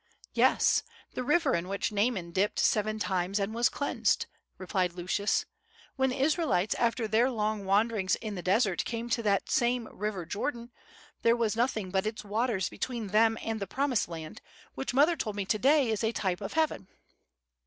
"Yes, the river in which Naaman dipped seven times and was cleansed," replied Lucius. "When the Israelites, after their long wanderings in the desert, came to that same river Jordan, there was nothing but its waters between them and the Promised Land, which mother told me to day is a type of heaven."